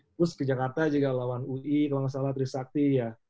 terus ke jakarta juga lawan ui kalau nggak salah trisakti ya